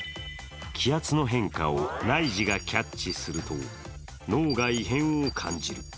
気圧の変化を内耳がキャッチすると脳が異変を感じる。